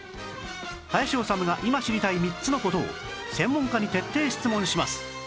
林修が今知りたい３つの事を専門家に徹底質問します